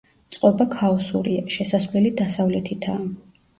წყობა ქაოსურია შესასვლელი დასავლეთითაა.